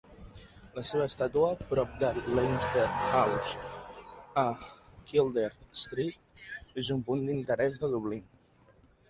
La seva estàtua prop de Leinster House, a Kildare Street, és un punt d'interès de Dublín.